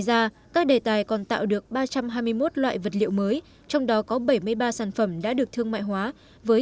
ra các đề tài còn tạo được ba trăm hai mươi một loại vật liệu mới trong đó có bảy mươi ba sản phẩm đã được thương mại hóa với